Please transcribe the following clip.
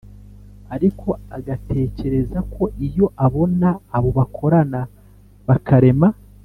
ariko agatekereza ko iyo abona abo bakorana bakarema